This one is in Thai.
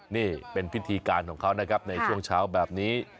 นี่เป็นพิธีการของเขานะครับในช่วงเช้าแบบนี้